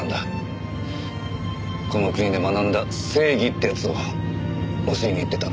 この国で学んだ正義っていうやつを教えに行ってた。